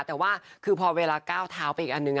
แต่ว่าคือพอเวลาก้าวเท้าไปอีกอันนึง